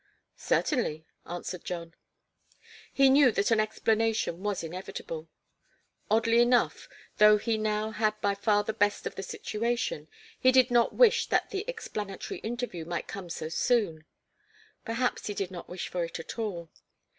"Certainly," answered John. He knew that an explanation was inevitable. Oddly enough, though he now had by far the best of the situation, he did not wish that the explanatory interview might come so soon. Perhaps he did not wish for it at all.